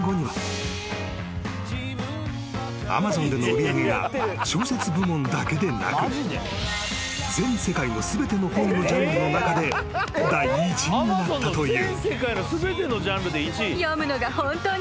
［Ａｍａｚｏｎでの売り上げが小説部門だけでなく全世界の全ての本のジャンルの中で第１位になったという］